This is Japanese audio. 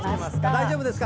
大丈夫ですか？